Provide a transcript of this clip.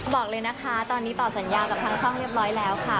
บอกเลยนะคะตอนนี้ต่อสัญญากับทางช่องเรียบร้อยแล้วค่ะ